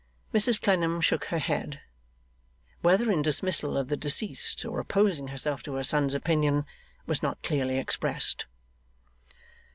Mrs Clennam shook her head; whether in dismissal of the deceased or opposing herself to her son's opinion, was not clearly expressed.